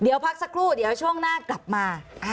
เดี๋ยวพักสักครู่เดี๋ยวช่วงหน้ากลับมา